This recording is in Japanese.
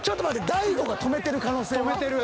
大悟が止めてる可能性は？］